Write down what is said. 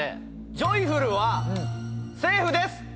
ジョイフルはセーフです。